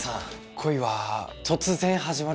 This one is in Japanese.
恋は突然始まるんだよ。